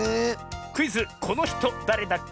クイズ「このひとだれだっけ？」